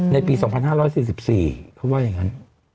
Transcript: ในปี๒๕๔๔เขาว่าอย่างนั้น